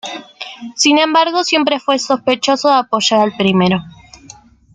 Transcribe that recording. Sin embargo, siempre fue sospechoso de apoyar al primero.